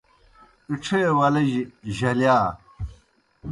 اِڇھے ولِجیْ جھلِیا